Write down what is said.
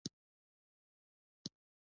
ډلې ټپلې پیدا کړې